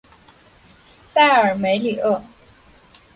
塞尔梅里厄。